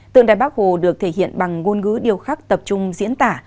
tượng đài bắc hồ được thể hiện bằng ngôn ngữ điều khắc tập trung diễn tả